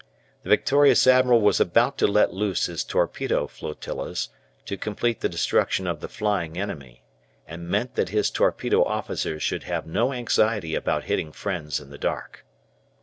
The victorious admiral was about to let loose his torpedo flotillas, to complete the destruction of the flying enemy, and meant that his torpedo officers should have no anxiety about hitting friends in the dark.